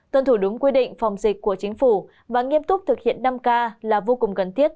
tuân thủ đúng quy định phòng dịch của chính phủ và nghiêm túc thực hiện năm k là vô cùng cần thiết